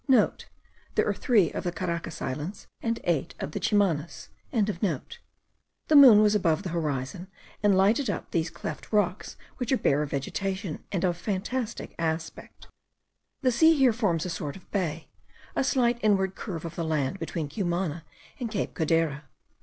*(* There are three of the Caracas islands and eight of the Chimanas.) The moon was above the horizon, and lighted up these cleft rocks which are bare of vegetation and of fantastic aspect. The sea here forms a sort of bay, a slight inward curve of the land between Cumana and Cape Codera.